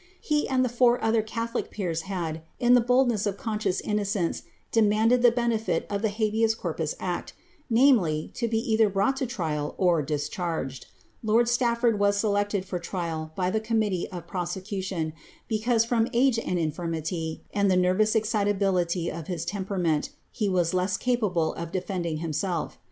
He and the four other catholic peers had in the boldness of conscious innocence, demanded the benefit of the fuibcas corpus art — namely, to be cither brought to trial or dischai; gei Lord Stafford was selected for trial by the committee of prosecotioo, bcTnuse, from use and infirmity, and the nervous exciuibility of his teoh porarncnt, he was less capalile of defending himself.